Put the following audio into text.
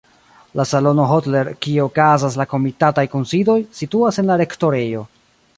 La salono Hodler, kie okazas la komitataj kunsidoj, situas en la rektorejo.